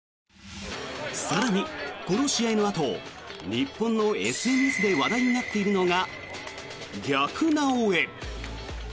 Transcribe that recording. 更に、この試合のあと日本のＳＮＳで話題になっているのが「逆なおエ」。